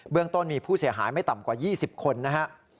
เรื่องต้นมีผู้เสียหายไม่ต่ำกว่า๒๐คนนะครับ